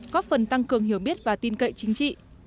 có phần tăng cường hiểu biết và tin cậy chính trị